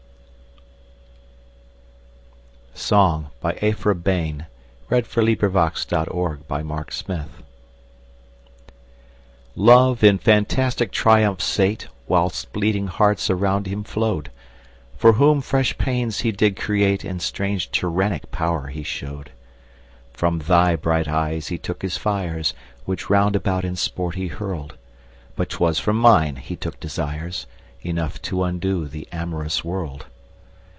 ook of English Verse: 1250–1900. Aphra Behn. 1640–1689 411. Song LOVE in fantastic triumph sate Whilst bleeding hearts around him flow'd, For whom fresh pains he did create And strange tyrannic power he show'd: From thy bright eyes he took his fires, 5 Which round about in sport he hurl'd; But 'twas from mine he took desires Enough t' undo the amorous world.